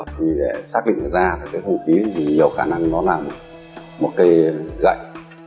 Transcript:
thì để xác định ra hương khí thì nhiều khả năng nó là một cây gãy